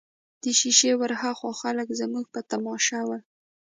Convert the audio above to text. د شېشې ورهاخوا خلک زموږ په تماشه ول.